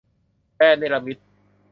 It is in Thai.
แดนเนรมิต